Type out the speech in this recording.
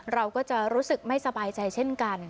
เราก็จะรู้สึกไม่สบายใจเช่นกัน